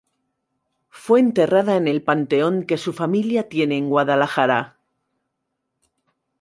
Fue enterrada en el panteón que su familia tiene en Guadalajara.